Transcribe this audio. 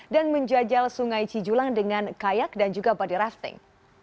dan menjajal sungai cijulang dengan kayak dan juga body rafting